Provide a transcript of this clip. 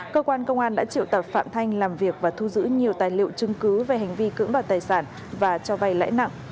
cơ quan công an đã triệu tập phạm thanh làm việc và thu giữ nhiều tài liệu chứng cứ về hành vi cưỡng đoạt tài sản và cho vay lãi nặng